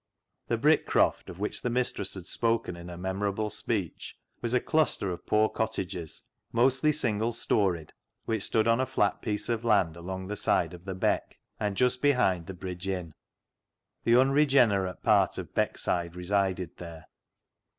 The Brick croft, of which the mistress had spoken in her memorable speech, was a cluster of poor cottages, mostly single storeyed, which stood on a flat piece of land along the side of the " Beck " and just behind the " BULLET" PIE 203 Bridge Inn. The unregenerate part of Beck side resided here.